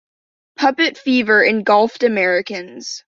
"Puppet-fever" engulfed Americans.